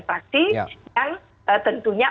fraksi yang tentunya